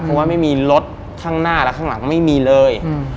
เพราะว่าไม่มีรถข้างหน้าและข้างหลังไม่มีเลย